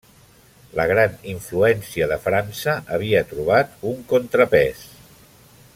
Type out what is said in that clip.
La gran influència de França havia trobat un contrapès.